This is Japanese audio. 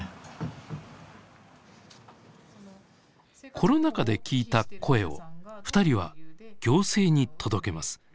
コロナ禍で聞いた声をふたりは行政に届けます。